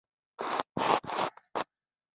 هغوی تری تم شول.